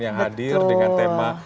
yang hadir dengan tema